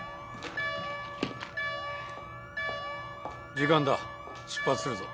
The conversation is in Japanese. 時間だ出発するぞ。